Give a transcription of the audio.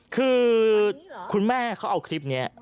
คือคุณแม่เขาเอาคลิปนี้